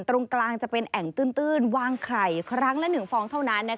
ตรงกลางจะเป็นแอ่งตื้นวางไข่ครั้งละ๑ฟองเท่านั้น